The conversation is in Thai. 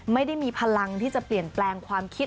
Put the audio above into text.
ไม่ได้มีพลังที่จะเปลี่ยนแปลงความคิด